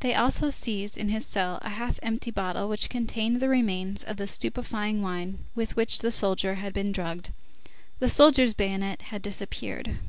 They also seized in his cell a half empty bottle which contained the remains of the stupefying wine with which the soldier had been drugged. The soldier's bayonet had disappeared.